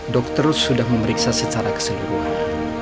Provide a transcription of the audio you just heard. dokter sudah memeriksa secara keseluruhan